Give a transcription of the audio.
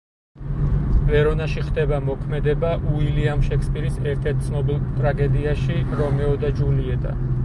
ვერონაში ხდება მოქმედება უილიამ შექსპირის ერთ-ერთ ცნობილ ტრაგედიაში რომეო და ჯულიეტა.